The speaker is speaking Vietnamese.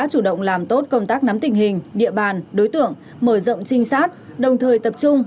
chủ động làm tốt công tác nắm tình hình địa bàn đối tượng mở rộng trinh sát đồng thời tập trung